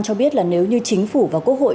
cho biết là nếu như chính phủ và quốc hội